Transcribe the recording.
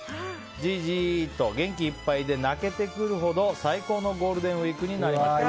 じいじと元気いっぱいで泣けてくるほど最高のゴールデンウィークになりました。